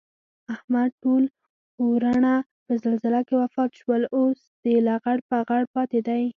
احمد ټول ورڼه په زلزله کې وفات شول. اوس دی لغړ پغړ پاتې دی